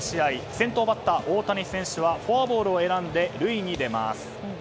先頭バッター、大谷選手はフォアボールを選んで塁に出ます。